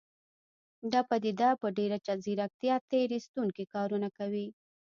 دا پديده په ډېره ځيرکتيا تېر ايستونکي کارونه کوي.